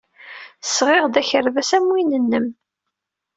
Sɣiɣ-d akerbas am win-nnem.